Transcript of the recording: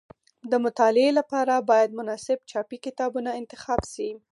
د مطالعې لپاره باید مناسب چاپي کتابونه انتخاب شي.